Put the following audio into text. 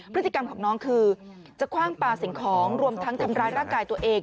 พฤติกรรมของน้องคือจะคว่างปลาสิ่งของรวมทั้งทำร้ายร่างกายตัวเอง